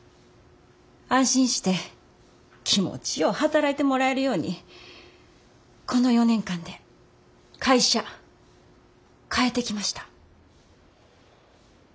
安心して気持ちよう働いてもらえるようにこの４年間で会社変えてきました。